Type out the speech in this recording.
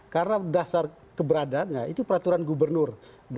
karena dasar keberadaannya itu peraturan gubernur